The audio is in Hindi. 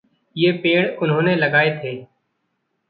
ये पेड़ उन्होंने लगाए थे।